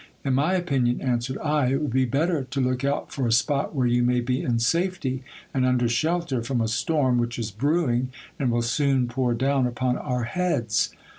In my opinion, answered I, it would be better to look out for a spot where you may be in safety, and under shelter from a storm which is brewing, and will soon pour clown upon our heads.